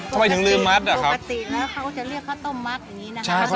ทำไมถึงลืมมัดอ่ะปกตินะเขาจะเรียกข้าวต้มมัดอย่างนี้นะคะ